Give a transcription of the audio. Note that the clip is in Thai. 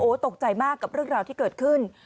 ตกใจมากกับเรื่องราวที่เกิดขึ้น